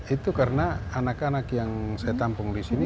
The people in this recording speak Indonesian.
itu karena anak anak yang saya tampung di sini